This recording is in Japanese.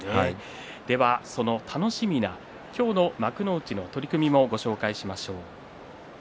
楽しみな今日の幕内の取組もご紹介しましょう。